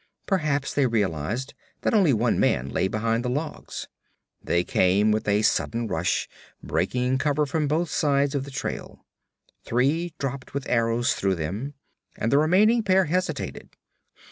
Perhaps they realized that only one man lay behind the logs. They came with a sudden rush, breaking cover from both sides of the trail. Three dropped with arrows through them and the remaining pair hesitated.